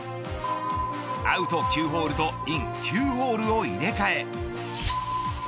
アウト９ホールとイン９ホールを入れ替え。